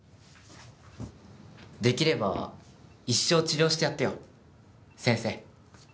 できれば一生治療してやってよ先生。